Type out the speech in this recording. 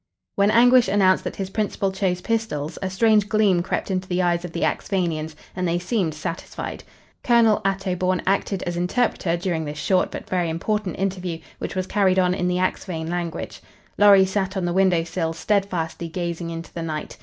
When Anguish announced that his principal chose pistols a strange gleam crept into the eyes of the Axphainians, and they seemed satisfied. Colonel Attobawn acted as interpreter during this short but very important interview which was carried on in the Axphain language. Lorry sat on the window sill, steadfastly gazing into the night.